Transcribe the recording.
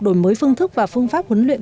đổi mới phương thức và phương pháp huấn luyện